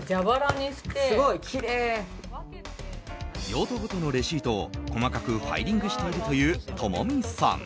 用途ごとのレシートを細かくファイリングしているという友美さん。